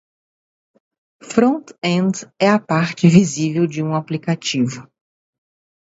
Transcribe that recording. Front-end é a parte visível de um aplicativo.